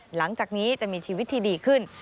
หลังจากนี้จะมีชีวิตที่ดีขึ้น